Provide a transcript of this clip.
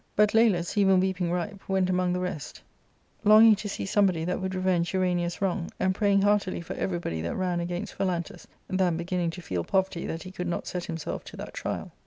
But Lalus, even weeping ripe, went among the rest, longing to see somebody that Would revenge Urania's wrong, and praying heartily for everybody that ran against Phalantus, then beginning to feel poverty that he could not set himself to that trial.